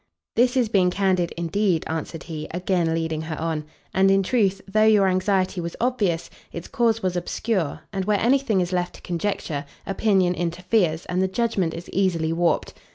"This is being candid indeed," answered he, again leading her on: "and in truth, though your anxiety was obvious, its cause was obscure, and where any thing is left to conjecture, opinion interferes, and the judgment is easily warped.